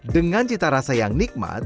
dengan cita rasa yang nikmat